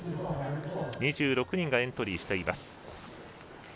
２６人がエントリーしています。